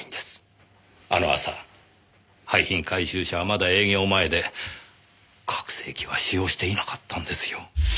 あの朝廃品回収車はまだ営業前で拡声器は使用していなかったんですよ。